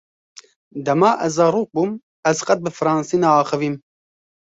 Dema ez zarok bûm ez qet bi fransî neaxivîm.